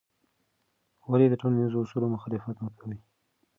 ولې د ټولنیزو اصولو مخالفت مه کوې؟